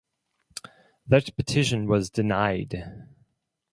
That petition was denied.